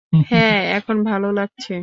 হ্যাঁ, এখন ভালো লাগছে।